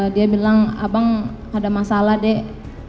dia bilang abang ada masalah dek